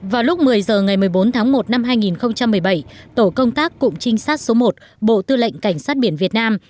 vào lúc một mươi h ngày một mươi bốn tháng một năm hai nghìn một mươi bảy tổ công tác cụm trinh sát số một bộ tư lệnh cảnh sát biển việt nam